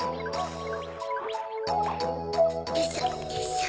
よいしょよいしょ。